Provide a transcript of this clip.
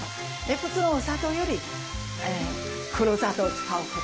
普通のお砂糖より黒砂糖を使うこと。